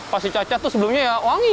pas dicaca itu sebelumnya ya wangi